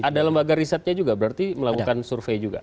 ada lembaga risetnya juga berarti melakukan survei juga